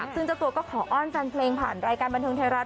ซึ่งเจ้าตัวก็ขออ้อนแฟนเพลงผ่านรายการบันเทิงไทยรัฐ